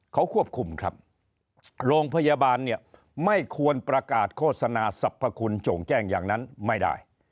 เขาควบคุมครับโรงพยาบาลเนี่ยไม่ควรประกาศโฆษณาสรรพคุณโจ่งแจ้งอย่างนั้นไม่ได้